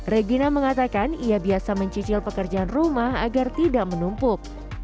regina mengatakan ia biasa mencicil pekerjaan rumah agar tidak menumpuk